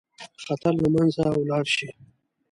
خطر له منځه ولاړ شي.